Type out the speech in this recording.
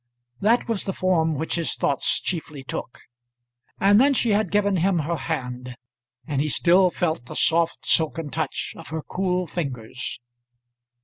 That was the form which his thoughts chiefly took. And then she had given him her hand, and he still felt the soft silken touch of her cool fingers.